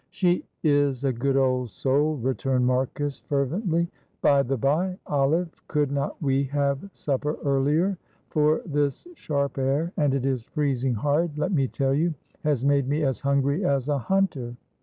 "She is a good old soul," returned Marcus, fervently. "By the bye, Olive, could not we have supper earlier? for this sharp air and it is freezing hard, let me tell you has made me as hungry as a hunter."